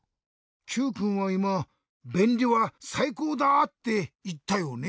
Ｑくんはいま「べんりはさいこうだ」っていったよね？